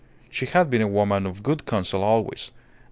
She had been a woman of good counsel always.